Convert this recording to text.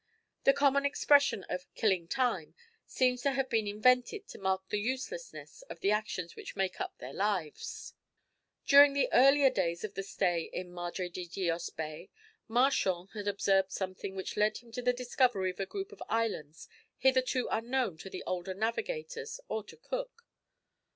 The common expression of "killing the time" seems to have been invented to mark the uselessness of the actions which make up their lives. During the earlier days of the stay in Madre de Dios Bay, Marchand had observed something which led him to the discovery of a group of islands hitherto unknown to the older navigators or to Cook.